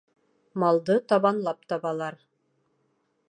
Малды табанлап табалар.